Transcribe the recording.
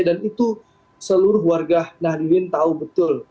dan itu seluruh warga nahdlin tahu betul